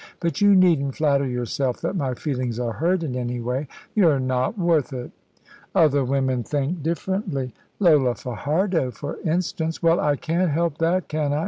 But you needn't flatter yourself that my feelings are hurt in any way. You're not worth it." "Other women think differently." "Lola Fajardo, for instance." "Well, I can't help that, can I?